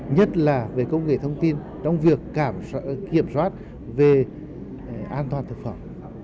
nhất là về công nghệ thông tin trong việc kiểm soát về an toàn thực phẩm